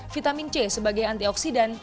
vitamin c sebagai antioksidan